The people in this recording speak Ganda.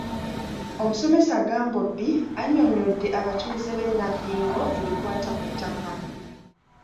Omusomesa Gambobbi annyonnyodde abatuuze b’e Nabbingo ebikwata ku ttaka.